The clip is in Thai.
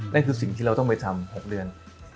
เรื่องที่เราต้องไปทำ๖เดือน